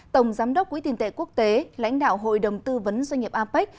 tổng giám đốc quỹ tiền tệ quốc tế lãnh đạo hội đồng tư vấn doanh nghiệp apec